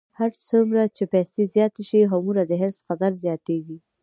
هر څومره چې پیسې زیاتې شي، هومره د حرص خطر زیاتېږي.